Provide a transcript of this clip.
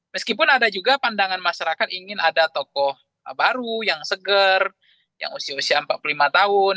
meskipun ada juga pandangan masyarakat ingin ada tokoh baru yang seger yang usia usia empat puluh lima tahun